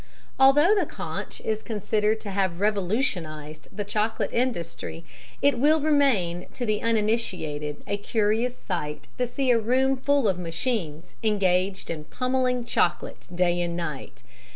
Although the conche is considered to have revolutionized the chocolate industry, it will remain to the uninitiated a curious sight to see a room full of machines engaged in pummelling chocolate day and night.